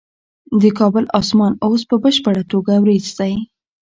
د کابل اسمان اوس په بشپړه توګه وریځ دی.